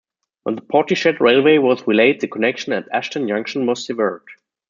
When the Portishead Railway was relaid the connection at Ashton Junction was severed.